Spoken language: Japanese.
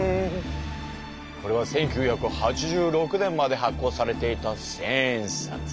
これは１９８６年まで発行されていた千円札！